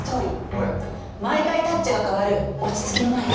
毎回タッチが変わる落ち着きのない絵。